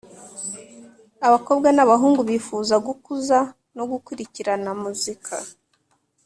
abakobwa n’abahungu bifuza gukuza no gukurikirana muzika